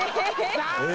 残念！